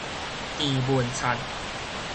鄭文燦